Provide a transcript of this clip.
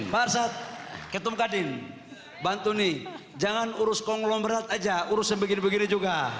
pak arsad ketum kadin bantu nih jangan urus konglom berat aja urus yang begini begini juga